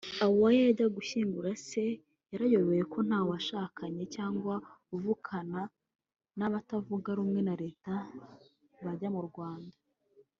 awaaa yajyaga gushyingura se yarayobewe ko ntawashakanye cyangwa uvukana n’abatavugana rumwe na Leta bajya mu Rwanda”